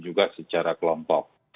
juga secara kelompok